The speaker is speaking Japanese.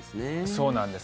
そうなんです。